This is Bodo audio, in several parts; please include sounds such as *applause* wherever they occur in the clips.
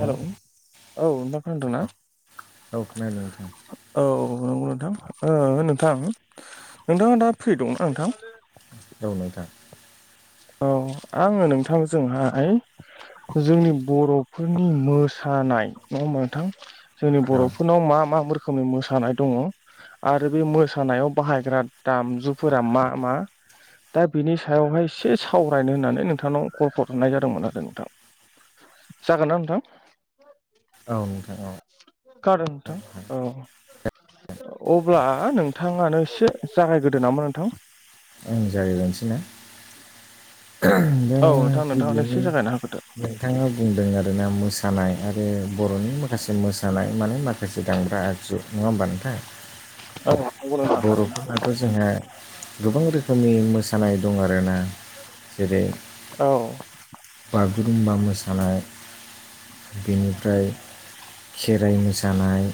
हेल' औ नोंथां खोनदों ना? औ खोनादों नोंथां औ नंगौ नोंथां ओ नोंथां नोंथाङा दा फ्रि दंना नोंथां? रौनाय दा औ आंङो नोंथांजोंहाय जोंनि बर'फोरनि मोसानाय नङा ओमबा नोंथां जोंनि औ बर'फोरनाव मा मा रोखोमनि मोसानाय दङ आरो बे मोसानायाव बाहायग्रा दामजुफोरा मा मा। दा बेनि सायावहाय एसे सावरायनो होननानै नोंथांनाव कल हर हरनाय जादोंमोन आरो नोंथां। जागोन ना नोंथां? औ नोंथां औ। *unintelligible* औ अब्ला नोंथाङानो एसे जागायग्रदो नामा नोंथां? आंनो जागायग्रोनोसै ना? दा औ नोंथां नोंथाङानो गिबियावनो एसे जागायना होग्रोदो बिथाङा बुंदों आरोना मोसानाय आरो बर'नि माखासे मोसानाय माने माखा- *unintelligible* दांब्रा जु। नङा होमबा नोंथा? औ नंगौ नोंथां थारैनो बर'फोराथ' जोंहा गोबां रोखोमनि मोसानाय दं आरोना। जेरै औ बागुरुमबा मोसानाय बेनिफ्राय खेराइ मोसानाय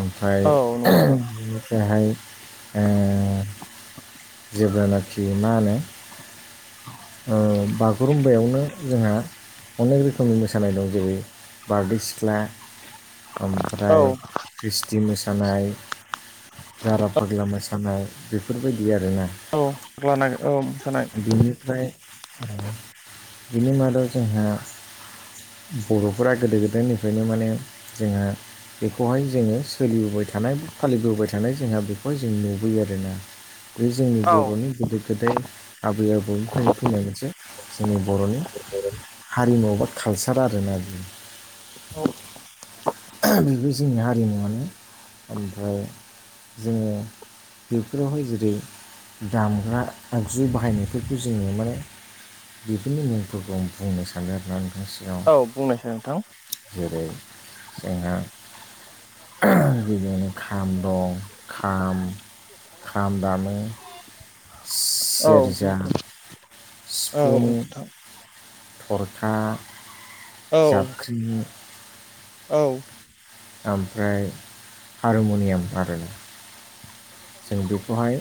ओमफ्राय नंगौ नोंथां बेनिफ्रायहाय ए जेब्लानाखि मा होनो? ओ बागुरुम्बायावनो जोंहा अनेक रोखोमनि मोसानाय दं जेरै- बारदै सिख्ला, ओमफ्राय ख्रिस्टि मोसानाय, जारा फाग्ला मोसानाय बेफोरबायदि आरोना। औ लानांगोन औ मोसानाय। ओमफ्राय ओ बिनि मादाव जोंहा बर'फोरा गोदो-गोदायनिफ्रायनो माने जोङो बेखौहाय जोङो सोलिबोबाय थानाय फालिबोबाय थानाय जोंहा बेखौहाय जों नुबोयो आरोना। बे जोंनि बर'नि गोदो-गोदाय आबै-आबौ फैनो फैनाय मोनसे जोंनि बर'नि हारिमु बा कालसार आरोना बे। औ बेबो जोंनि हारिमुवानो। ओमफ्राय जोङो बेफोरावहाय जेरै दामग्रा आगजु बाहायनायफोरखौ जोङो माने बेफोरनि मुंफोरखौ आं बुंनो सानदों आर ना नोंथांनि सिगाङाव। औ बुंनायसै नोंथां। जेरै जोङो ओ बिदिनो खाम दं खाम खाम दामो। औ सेरोजा, सिफुं नोंथां थरखा, औ जाबख्रिं औ ओमफ्राय हारमुनियाम आरो। जों बेखौहाय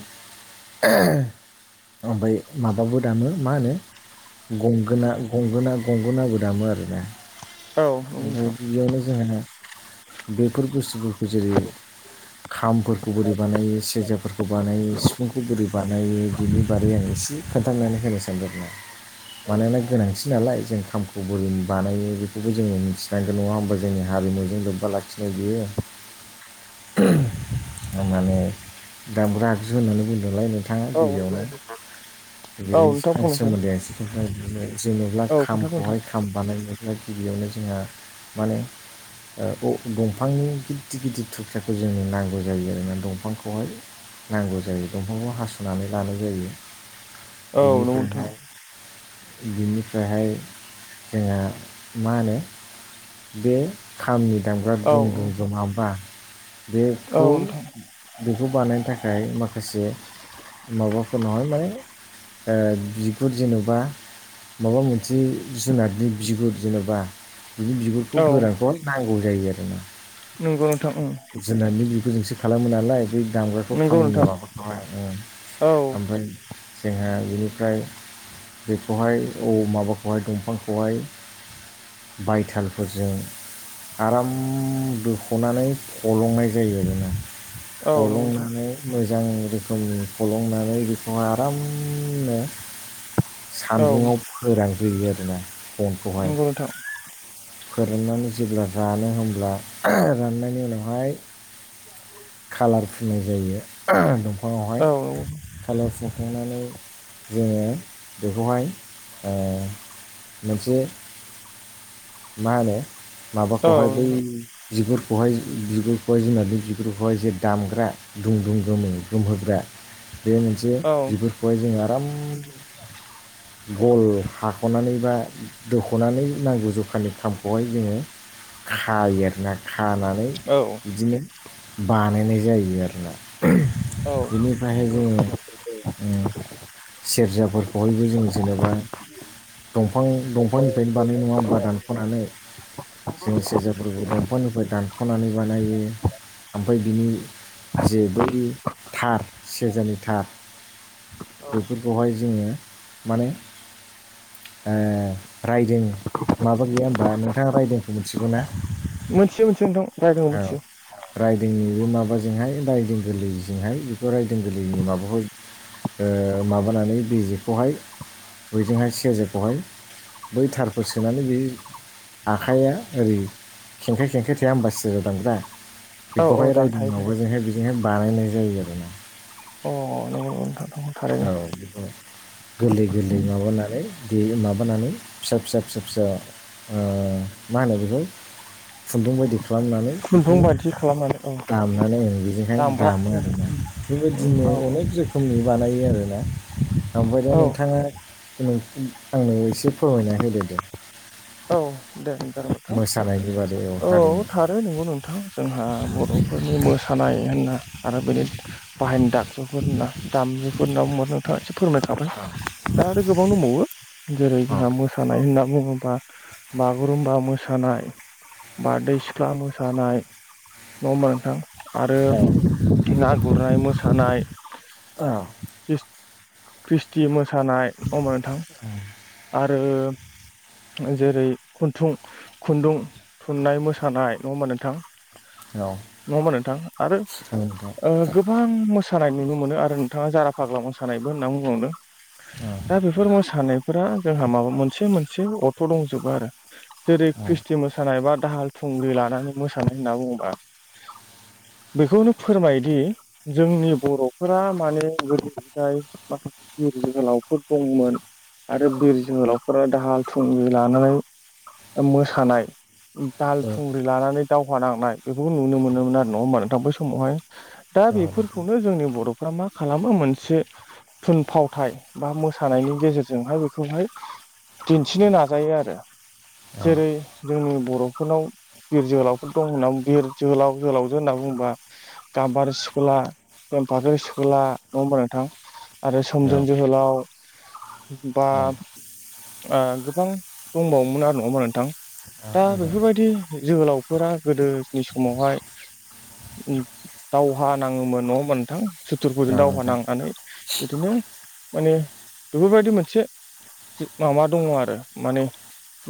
ओमफ्राय माबाबो दामो मा होनो? गंगोना- गंगोना- गंगोनाबो दामो आरोना। औ बुंथ' बियावनो जोंहानो बेफोर बुस्थुफोरखौ जेरै- खामफोरखौ बोरै बानायो सेरजाफोरखौ बानायो सिफुंखौ बोरै बानायो बिनि बारै आं एसे खोन्थानानै होनो सानदों आरो ना। औ मानोना गोनांथि नालाय जों खामखौ बोरै बानायो बेखौ जोङो मिथिनांगौ नङा होमबा जोंनि हारिमुजों लोब्बा लाखिनाय बियो। माने दामग्रा आगजु होननानै बुंदोंलाय नों थाङा औ गिबियावनो बिनि नोंथां बुंनायसाय सोमोन्दै एसे ओमफ्राय बिदिनो जेनेबा औ खोन्थादो नोंथां खामखौहाय खाम बानायनोब्ला गिबियावनो जोंहा माने ओ दंफांनि गिदिर गिदिर थुख्राखौ जोंनो नांगौ जायो आरो ना दंफांखौहाय। नांगौ जायो दंफांखौ हास'नानै लानाय जायो। औ नंगौ नोंथां बिनिफ्राय बिनिफ्रायहाय जोंहा मा होनो बे खामनि दामग्रा दुं दुं औ दङाबा औ बेखौ नोंथां बेखौ बानायनो थाखाय माखासे माबाफोर नङा होनलाय माने ओ बिगुर जेन'बा माबा मोनसे जुनारनि बिगुर जेन'बा बिनि बिगुरखौ औ गोरानखौ नांगौ जायो आरो ना। नंगौ नोंथांं उम। जुनारनि बिगुरजोंसो खालामो नालाय बे दामग्राखौ नंगौ खामनि नोंथां माबाखौहाय। औ ओमफ्राय जोंहा बेनिफ्राय बेखौहाय औ माबाखौहाय दंफांखौहाय बायथालफोरजों आराम दोख'नानै फलंनाय जायो आरोना। औ नंगौ नोंथां फलंनानै मोजां रोखोम फलंनानै बेखौहाय आरामनो औ सानदुङाव फोरानग्रोयो आरोना गनखौहाय नंगौ नोंथां फोराननानै जेब्ला रानो होमब्ला राननायनि उनावहाय कालार फुनाय जायो दंफाङावहाय औ नंगौ खालाव सुंखांनानै जोङो बेखौहाय मोनसे मा होनो? औ माबाखौहाय बै नंगौ बिगुरखौहाय बिगुरखौहाय जुनादनि बिगुरखौहाय एसे दामग्रा दुं दुं गोमो गोमहोग्रा बे मोनसे बिगुरखौहाय जोङो आराम ग'ल हाख'नानै बा दोख'नानै नांगौ जा दखाननि खामखौहाय जोङो खायो आर ना खानानै औ बिदिनो बानायनाय जायो आरोना औ बिनिफ्रायहाय जोङो सेरजाफोरखौहायबो जों जेनेबा दंफां दंफांनिफ्रायनो बानायनाय नङा बाादानख'नानै जोङो सेरजाफोरखौ दंफांनिफ्राय दानख'नानै बानायो ओमफ्राय बिनि जेबोथार सजानि थार बेफोरखौहाय जोङो माने रायदों माबा गैया ह होनबा नोंथाङा रायदोंखौ मिथिगौना मोनसे मोनसेोन दं औ रायदोंनि बे माबाजोंहाय रायदों गोरलैजोंहाय जरायायदों गोरलैनि माबाखौ माबानानै बिजेखौहाय बयजोंहाय सेजेरखौहाय बै थारफोर सोनानै बे आखाइया ओरै खेंखाइ खेंखाइ थाया होमबसि जा दांग्रा औ औ बेखौहाय दा थाहैबाय रायदिंनावबो जोंहाय बेजोंहाय बानायनाय जायो आरो ना अ नंगौ नोंथां थारैनो औ बेखौ गोरलै गोरलै माबानानै बे माबानानै फिसा फिसा फिसा फिसा अ मा होन बिज खुन्दुं बायदि खालामनानै खुन्दुं बेखौनो बायदि खालामनानै औ दामनानै आं बेजोंहाय दामग्रा दामो उम आरोना उम बेबायदिनो औ अनेक रोखोमनि बानायो आरोना ओमफ्राय दा औ नोंथाङा आंनो एसे फोरमायना होदोदों औ दे ज *unintelligible* मथां मोसानायनि बादै औ हारिमु थ द नंगौ नोंथां जोंहा बर'फोरनि मोसानाय होनना आरो बेनि बाहदा *unintelligible* फोरना दामजुफोर होनना बुंो नोंथाङा ए फोरमायखाबाय औ दा आरो गोबां दंबावो जेरै औ जोंहा मोसानाय होनना बुङोब्ला बागुरुम्बा मोसानाय बारदै सिख्ला मोसानाय नङा होनबा नोंथां आरो ना गुरनाय मोसानाय *unintelligible* ख्रिस्टि मोसानाय अमायथां आरो जेरै खुथुं खुन्दुं थुननाय मोसानाय नङोमा नोंथां औ नङा होनबा बा नोंथां आरो औ नोंथां औ नोंथां गोबां मोसानाय नुनो मोनो आरो नोंथाङा जारा फाग्ला मोसानायबो होनना बुंबावनो हा दा बेफोर मोसानायफोरा जोंहा माबा मोनसे मोनसे अथ' दंजोबो आरो जेरै ख्रिस्टि मोसानाय बा दाहाल थुंग्रि लानानै मोसानाय होनना बुङोबा बेखौनो फोरमायोदि जोंनि बर'फोरा माने गोदोनिफ्राय माखासे बिर जोहोलावफोर दंमोन आरो बिर जोहोलावफोरा दाहाल थुंग्रि लानानै मोसानाय दाल थुंग्रि लानानै दावहा नांनाय बेफोरखौ नुनो मोनोमोन आरो नङा होमब नों थां बै समावहाय दा औ नोंथां औ नोंथां औ बेफोरखौनो जोंनि बर' फ्रा मा खालामो मोनसे थुनफावथाय बा मोसानायनि गेजेरजोंहाय बेखौहाय खिनो नाजायो आरो जेरै जोंनि बर'फोरनाव बिर जोहोलावफोर दं होनना बिर जोहोलाव जोहोलावजो होनना बुङोबा गाम्बारि स्कुला बेमफाख्रि स्खुला नङोमबा नोंथां आरो सोमदोन जोहोलाव बा आं गोबां दंबावोमोन आरो नङाोमा नोंथां दा बेफोरबायदि जोहोलाव फोरा गोदोनि समावहाय दावहा नाङोमोन नङा होमबा नोंथां? सुथुरफोरजों दावहा नोंथां नांनानै बिदिनो माने बेफोरबायदि मोनसे माबा दङ आरो माने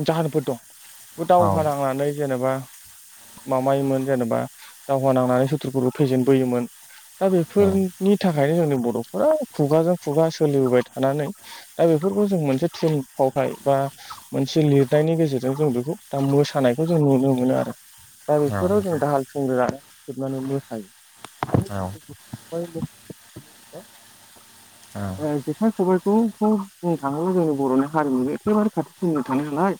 जाहोनफोर दं बे औ दावहा नांनानै जेनेबा माबायोमोन जेनेबा दावहा नांनानै सुथ्रुफोरखौ फेजेनबोयोमोन। दा औ बेफोरनि थाखायनो जोंनि बर'फोरा खुगाजों खुगा सोलिबोबाय थानानै दा बेफोरखौ जों मोनसे फावथाय बा मोनसे लिरनायनि गेजेरजों जों बेखौ दा मोसानायखौ जों नुनो मोनो आरो। दा औ बेफोराव जों दाहाल थुंग्रि लानानै सिबनानै मोसायो। औ *inaudible* औ ओ जेखाइ खबाइखौथ' बुंनो थाङोब्ला जोंनि बर'नि हारिमुजों एखेबारे खाथि सोमोन्दो थानाय नालाय।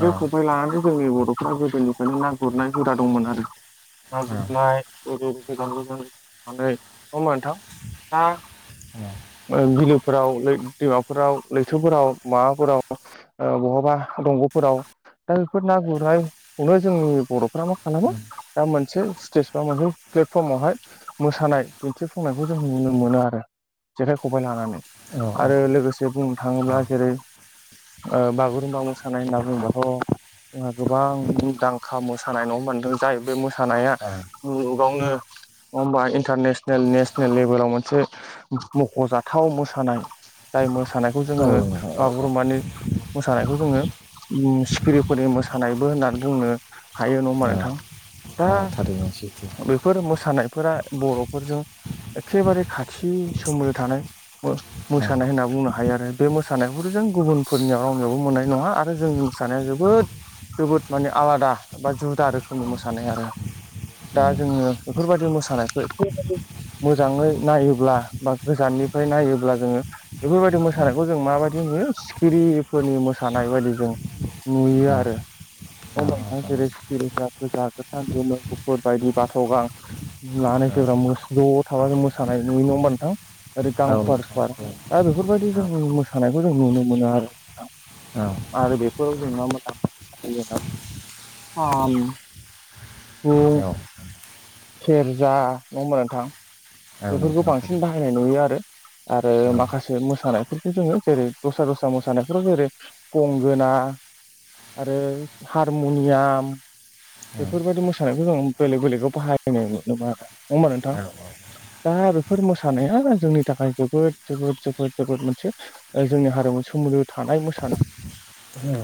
औ खबाय लानानै जोंनि बर'फ्रा गोदोनिफ्रायनो ना गुरनाय हुदा दंमोन आरो। ना औ गुरनाय ओरै गोजान गोजान थाङो नङा होमबा नोंथां? नोंथां ओ बिलोफोराव लै दैमाफोराव लैथोफोराव माबाफोराव ओ बहाबा दंग'फोराव दा बेफोर ना गुरनायखौनो जोंनि बर'फ्रा मा खालामो दा मोनसे स्टेज बा मोनसे प्लेटफर्मावहाय मोसानाय दिन्थिफुंनायखौ जों नुनो मोनो आरो जेखाइ खबाइ लानानै। औ औ औ आरो लोगोसे बुंनो औ थाङोब्ला जेरै ओ बागुरुम्बा मोसानाय होनना बुंबाथ' मुङा गोबां मुंदांखा मोसानाय नङा होनबा जाय बे मोसानाया। मुलुगावनो नङा होमबा इन्टारनेसनेल नेसनेल लेभेलाव मोनसे मख'जाथाव मोसानाय जाय मोसानायखौ जोङो माने मोसानायखौ जोङो उम सिखिरिफोरनि मोसानायबो होननानै बुंनो हायो नङा होमबा नोंथां? दा बेनोसैथ' फोर मोसानायफोरा बर'फोरजों एखेबारे खाथि सोमोन्दो थानाय औ औ मो-मोसानाय होनना बुंनो हायो आरो बे मोस मोसानायफोरजों गुबुनफोरनियाव रावनियावबो मोननाय नङा आरो जों मोसानाया जोबोद जोबोद माने आलादा बा जुदा रोखोमनि मोसानाय आरो। दा औ जोङो बेफोरबायदि मोसानायखौ मोजाङै नायोब्ला बा गोजाननिफ्राय नायोब्ला जोङो बेफोरबायदि औ मोसानायखौ जों माबायदि नुयो सिखिरिफोरनि मोसानाय बायदि जों नुयो औ औ आरो। नोंथां औ समायना नोंथां जेरै सिखिरिफोरा गोजा गोथां गोमो गुफुर बायदि बाथ' गां। लानाय जेब्रा मोस ज' थाबा जों मोसानाय नुयो नङा होनबा नोंथां? ओरै गां थारैनो औ फुवार नोंथां औ फुवार दा बेफोरबायदि जों मोसानायखौ जों नुनो मोनो आरो। आरो बेफोराव जों मा मा *inaudible* बे सेरजा नङा होमबा नोंथां बेफोरखौ बांसिन बाहायनाय नुयो आरो‌ आरो माखासे मोसानायफोरखौ जोङो जेरै दस्रा दस्रा मोसानायफोराव जेरै गंगोना आरो हारमुनियाम बेफोरबायदि मोसानायखौ जों बेलेग बेलेगाव बाहायनाय नुनो *unintelligible* आरो नङा होमबा नोंथां? दा बेफोर मोसानाया जोंनि थाखाय जोबोद जोबोद जोबोद जोबोद मोनसे ओ जोंनि हारिमजों सोमोन्दो थानाय मोसानाय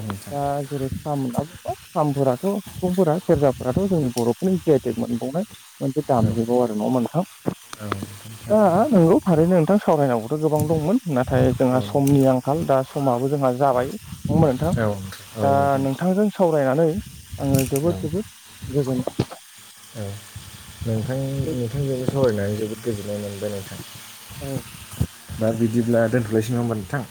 नोंथां दा जेरै खाम होनना बुंबा खामफोराथ' सुबुंफोरा सेरजाफोराथ' जोंनि बर'फोरनि जि आइ टेक मोनबावनाय। मोनसे दामजोबाव आरो ना मोनथाम दा थारैनो नोंगौ थारैनो नोंथां सावरायनांगौथ' गोबां दंमोन नाथाय जोंहा औ समनि आंखाल दा समाबो जोंहा जाबाय नङा होमबा नोंथां औ नोंथां दा औ नोंथां नोंथांजों सावरायनानै आङो औ जोबोद जोबोद गोजोनदों। औ। नोंथां नोंथांजोंबो सावरायनानै जोबोद गोजोननाय मोनबाय नोंथां। औ दा बिदिब्ला दोनथ'लायसै नङा होनबा नोंथां?